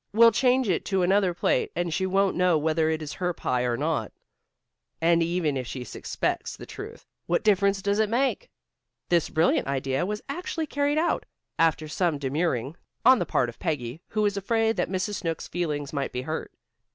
"We'll change it to another plate, and she won't know whether it is her pie or not. And, even if she suspects the truth, what difference does it make?" This brilliant idea was actually carried out, after some demurring on the part of Peggy, who was afraid that Mrs. Snooks' feelings might be hurt.